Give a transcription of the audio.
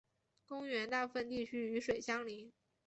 公园大部分地区与水相邻。